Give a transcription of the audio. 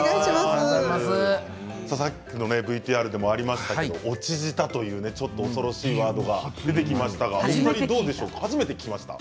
さっきのＶＴＲでもありましたけれども落ち舌というおそろしいワードが出てきましたけれどもお二人どうでしょうか初めて聞きましたか。